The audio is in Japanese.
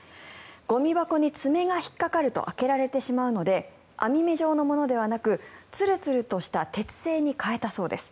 ゴミ箱に爪が引っかかると開けられてしまうので網目状のものではなくてつるつるとした鉄製に変えたそうです。